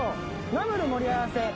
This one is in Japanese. ナムル盛り合わせ。